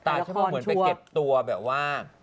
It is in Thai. ฉันบอกเหมือนไปเก็บตัวแบบว่า